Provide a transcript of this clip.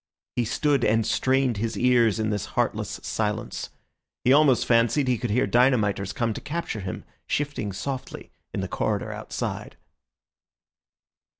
He stood and strained his ears in this heartless silence. He almost fancied he could hear dynamiters come to capture him shifting softly in the corridor outside.